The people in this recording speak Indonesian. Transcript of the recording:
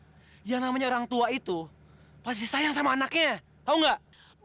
tapi yang namanya orang tua itu pasti sayang sama anaknya ya tau gak